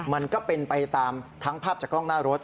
มันก็เป็นไปตามทั้งภาพจากกล้องหน้ารถ